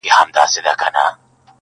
o د داســي زيـري انـتــظـار كـومــه.